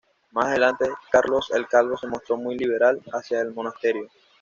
Más adelante Carlos el Calvo se mostró muy liberal hacia el monasterio.